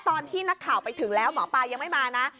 ตอนที่นักข่าวไปถึงแล้วหมอปลายังไม่มานะ